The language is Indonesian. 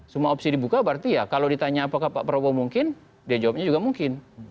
semua opsi dibuka berarti ya kalau ditanya apakah pak prabowo mungkin dia jawabnya juga mungkin